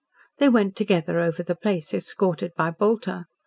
They went together over the place, escorted by Bolter.